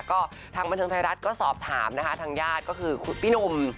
ก็ทางบันเทิงไทยรัฐก็สอบถามนะคะทางญาติก็คือพี่หนุ่ม